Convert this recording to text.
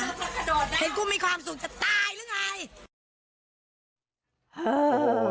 เห็นกูมีความสุขจะตายหรือไง